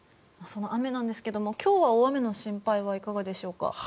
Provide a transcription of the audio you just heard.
その雨ですが今日は大雨の心配はいかがでしょうか。